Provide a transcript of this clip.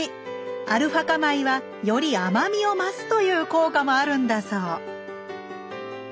アルファ化米はより甘みを増すという効果もあるんだそう